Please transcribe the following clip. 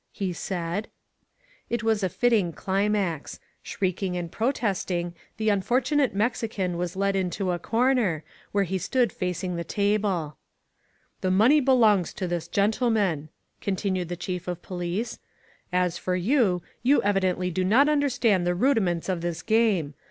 he said. It was a fitting climax. Shrieking and protesting, the unfortunate Mexican was led into a comer, where he stood facing the table. "The money belongs to this gentleman," continued the Chief of Police. "As for you, you evidently do not understand the rudiments of this game.